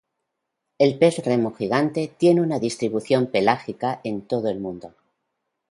El pez remo gigante tiene una distribución pelágica en todo el mundo.